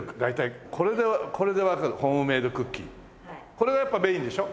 これがやっぱメインでしょ？